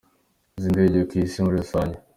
z’indege ku isi muri rusange